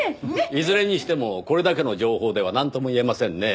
いずれにしてもこれだけの情報ではなんとも言えませんねぇ。